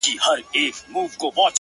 په سل ځله دي غاړي ته لونگ در اچوم،